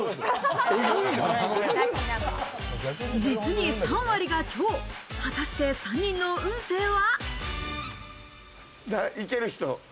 実に３割が今日、果たして３行ける人？